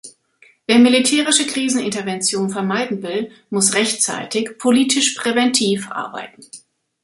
Wer militärische Krisenintervention vermeiden will, muss rechtzeitig politisch präventiv arbeiten.